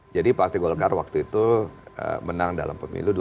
jadi partai golkar waktu itu menang dalam pemilu